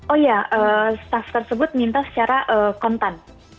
oh iya staff tersebut minta secara kontan